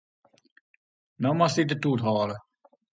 No moatst dy de toet hâlde.